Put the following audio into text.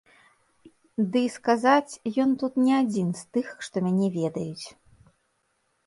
Ды і сказаць, ён тут не адзін з тых, што мяне ведаюць.